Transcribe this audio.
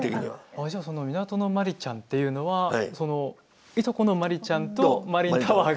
あじゃあその港のマリちゃんっていうのはそのいとこのマリちゃんとマリンタワーが。